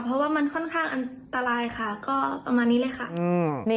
เพราะว่ามันค่อนข้างอันตรายค่ะก็ประมาณนี้เลยค่ะ